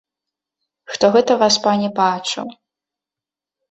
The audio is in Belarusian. Хто гэта, васпане, бачыў!